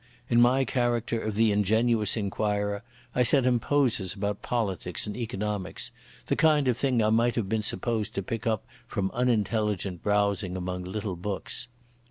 In my character of the ingenuous inquirer I set him posers about politics and economics, the kind of thing I might have been supposed to pick up from unintelligent browsing among little books.